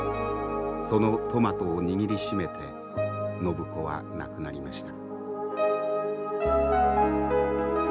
そのトマトを握りしめて靖子は亡くなりました。